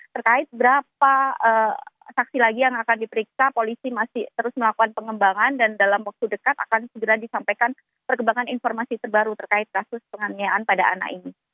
terkait berapa saksi lagi yang akan diperiksa polisi masih terus melakukan pengembangan dan dalam waktu dekat akan segera disampaikan perkembangan informasi terbaru terkait kasus penganiayaan pada anak ini